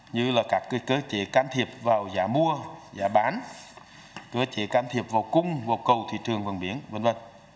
như là các cơ chế can thiệp vào giá mua giá bán cơ chế can thiệp vào cung vào cầu thị trường vàng miếng v v